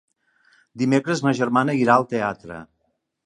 Dimecres ma germana irà al teatre.